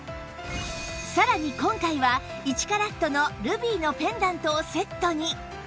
さらに今回は１カラットのルビーのペンダントをセットに